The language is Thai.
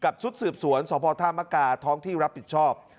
ชุดสืบสวนสพธามกาท้องที่รับผิดชอบ